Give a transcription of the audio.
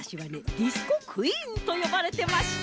ディスコクイーンとよばれてました！